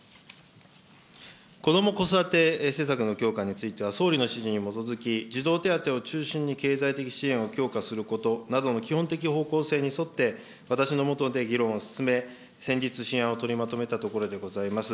子ども・子育ての施策の強化については、総理の指示に基づき児童手当を中心に経済的支援強化することなどの基本的方向性に沿って、私のもとで議論を進め、先日、試案を取りまとめたところでございます。